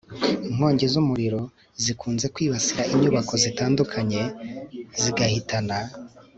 inkongi z'umuriro zikunze kwibasira inyubako zitandukanye, zigahitana